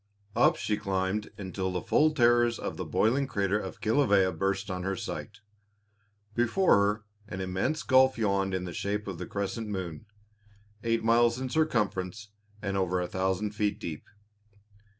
Up she climbed until the full terrors of the boiling crater of Kilawea burst on her sight. Before her an immense gulf yawned in the shape of the crescent moon, eight miles in circumference and over a thousand feet deep.